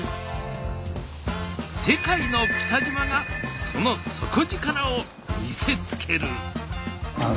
世界の北島がその底力を見せつける！